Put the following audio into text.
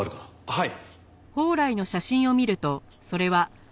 はい。